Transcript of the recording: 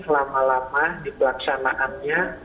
lama lama di pelaksanaannya